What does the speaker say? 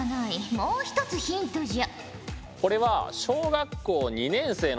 もう一つヒントじゃ。